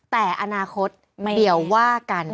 แต่อนาคตเดี๋ยวว่ากัน